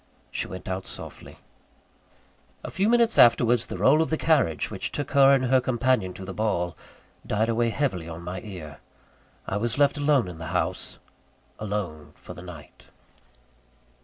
She went out softly. A few minutes afterwards the roll of the carriage which took her and her companion to the ball, died away heavily on my ear. I was left alone in the house alone for the night.